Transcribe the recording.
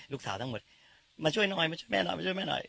ทั้งหมดมาช่วยหน่อยมาช่วยแม่หน่อยมาช่วยแม่หน่อย